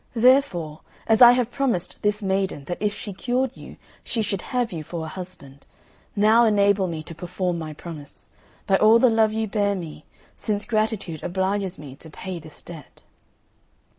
Therefore, as I have promised this maiden that if she cured you she should have you for a husband, now enable me to perform my promise, by all the love you bear me, since gratitude obliges me to pay this debt."